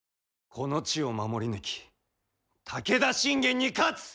この地を守り抜き武田信玄に勝つ！